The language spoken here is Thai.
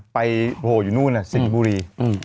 ไปเอ่อโหยูนู้นอ่ะสิกบุรี